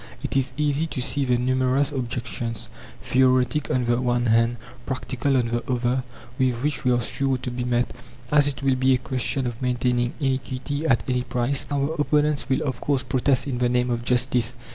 It is easy to see the numerous objections theoretic on the one hand, practical on the other with which we are sure to be met. As it will be a question of maintaining iniquity at any price, our opponents will of course protest "in the name of justice."